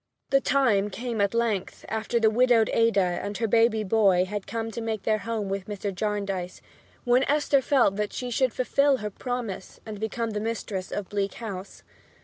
The time came at length, after the widowed Ada and her baby boy had come to make their home with Mr. Jarndyce, when Esther felt that she should fulfil her promise and become the mistress of Bleak House.